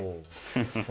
フフフ。